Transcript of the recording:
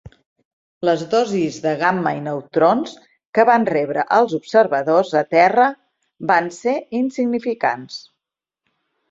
Les dosis de gamma i neutrons que van rebre els observadors a terra van ser insignificants.